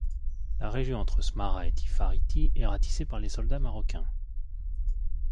La région entre Smara et Tifariti est ratissée par les soldats marocains.